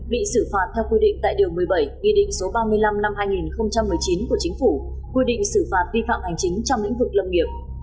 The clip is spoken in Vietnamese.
bị xử phạt theo quy định tại điều một mươi bảy nghị định số ba mươi năm năm hai nghìn một mươi chín của chính phủ quy định xử phạt vi phạm hành chính trong lĩnh vực lâm nghiệp